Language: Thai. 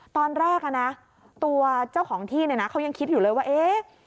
ตอนแรกนะตัวเจ้าของที่เนี่ยนะเขายังคิดอยู่เลยว่าเอ๊ะ